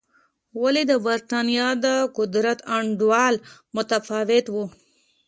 ولې د برېټانیا کې د قدرت انډول متفاوت و.